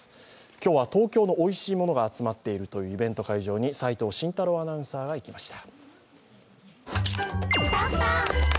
今日は東京のおいしいものが集まっているというイベント会場に齋藤慎太郎アナウンサーが行きました。